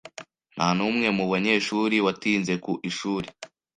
Nta n'umwe mu banyeshuri watinze ku ishuri.